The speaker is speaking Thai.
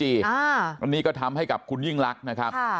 วันนี้ก็ทำให้กับคุณยิ่งลักษณ์นะครับ